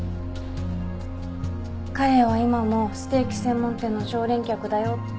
彼は今もステーキ専門店の常連客だよって。